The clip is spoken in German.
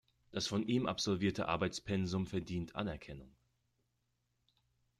Das von ihm absolvierte Arbeitspensum verdient Anerkennung.